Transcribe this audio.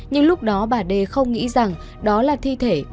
nhưng lúc đó bà đê không nghĩ rằng đó là thi thể của con dâu mình